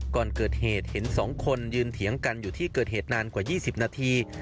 ก่อนเกิดเหตุเห็น๒คนยืนเถียงกันอยู่ที่เกิดเหตุนานกว่า๒๐นาที